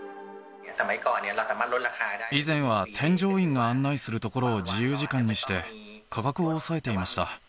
以前は添乗員が案内するところを自由時間にして、価格を抑えていました。